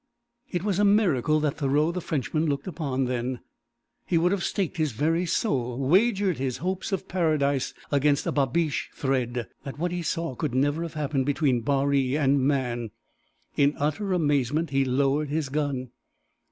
It was a miracle that Thoreau the Frenchman looked upon then. He would have staked his very soul wagered his hopes of paradise against a babiche thread that what he saw could never have happened between Baree and man. In utter amazement he lowered his gun.